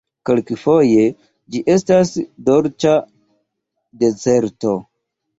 Kelkfoje, ĝi estas dolĉa deserto.